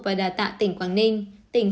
và đà tạo tỉnh quảng ninh tỉnh